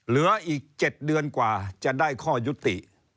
เหลืออีก๗เดือนกว่าจะได้ข้อยุติ